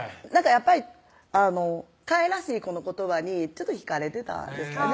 やっぱりあのかわいらしいこの言葉にちょっとひかれてたんですかね